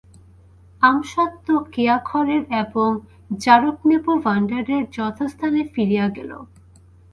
আমসত্ত্ব, কেয়াখয়ের এবং জারকনেবু ভাণ্ডারের যথাস্থানে ফিরিয়া গেল।